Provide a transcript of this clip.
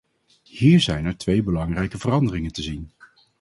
Hier zijn er twee belangrijke veranderingen te zien.